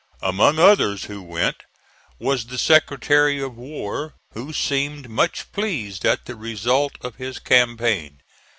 Among others who went was the Secretary of War, who seemed much pleased at the result of his campaign.